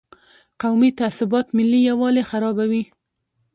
قومي تعصبات ملي یووالي خرابوي.